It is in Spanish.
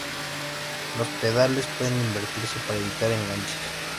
Los pedales pueden invertirse para evitar enganches.